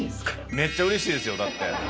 めっちゃうれしいですよ、だって。